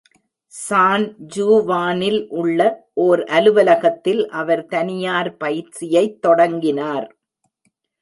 San ஜுவானில் உள்ள ஓர் அலுவலகத்தில் அவர் தனியார் பயிற்சியைத் தொடங்கினார்.